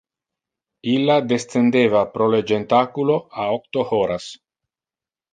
Illa descendeva pro le jentaculo a octo horas.